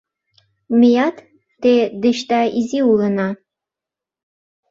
Меат те дечда изи улына: